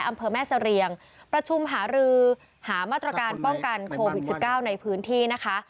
อำเภอแม่เสรียงประชุมหารือหามาตรการป้องกันโควิด๑๙ในพื้นที่นะคะ